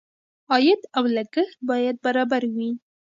عاید او لګښت باید برابر وي.